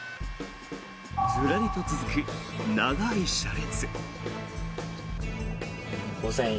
ずらりと続く長い車列。